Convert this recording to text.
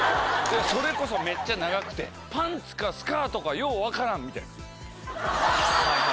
それこそめちゃ長くてパンツかスカートか分からん！みたいな。